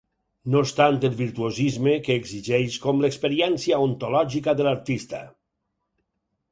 No és tant el virtuosisme que exigeix com l'experiència ontològica de l'artista.